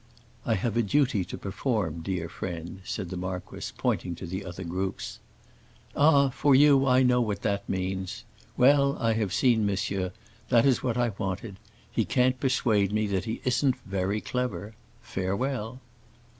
"I have a duty to perform, dear friend," said the marquis, pointing to the other groups. "Ah, for you I know what that means. Well, I have seen monsieur; that is what I wanted. He can't persuade me that he isn't very clever. Farewell."